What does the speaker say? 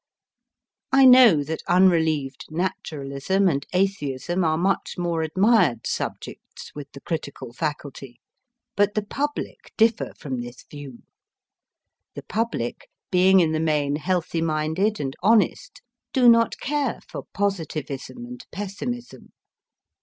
I know that unrelieved naturalism and atheism are much more admired subjects with the critical faculty ; but the public differ from this view. The public, being in the main healthy minded and honest, do not care for positivism and pessimism.